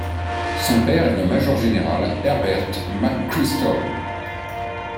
Son père est le major général Herbert McChrystal.